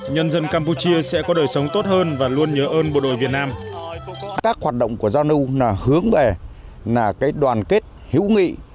nhân dân campuchia sẽ có đời sống tốt hơn và luôn nhớ ơn bộ đội việt nam